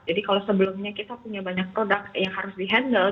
jadi kalau sebelumnya kita punya banyak produk yang harus di handle